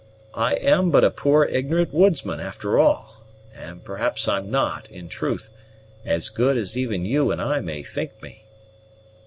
I am but a poor ignorant woodsman, after all; and perhaps I'm not, in truth, as good as even you and I may think me."